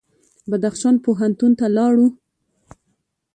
بدخشان پوهنتون ته لاړو.